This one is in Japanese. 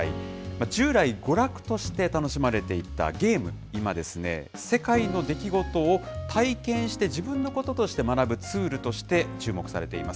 従来、娯楽として楽しまれていたゲーム、今ですね、世界の出来事を体験して自分の事として学ぶツールとして注目されています。